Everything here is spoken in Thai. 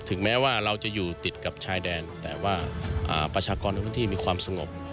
แม้ว่าเราจะอยู่ติดกับชายแดนแต่ว่าประชากรในพื้นที่มีความสงบ